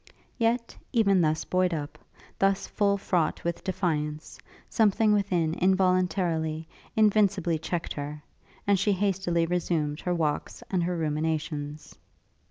Yet, even thus buoyed up, thus full fraught with defiance, something within involuntarily, invincibly checked her, and she hastily resumed her walks and her ruminations.